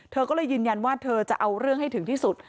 เธอก็เลยยืนยันว่าเธอจะเอาเรื่องให้ถึงที่สุด